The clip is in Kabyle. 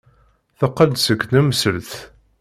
Teqqel-d seg tnemselt.